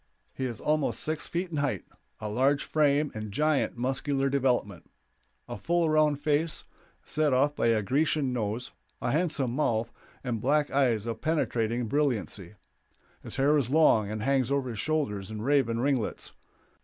He is almost six feet in height, of large frame and giant muscular development; a full round face, set off by a Grecian nose, a handsome mouth, and black eyes of penetrating brilliancy. His hair is long and hangs over his shoulders in raven ringlets.